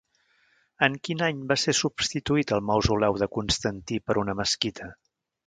En quin any va ser substituït el mausoleu de Constantí per una mesquita?